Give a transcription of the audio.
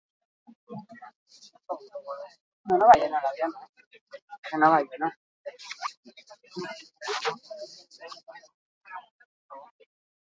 Beste bien kasuan goizegi izan daiteke.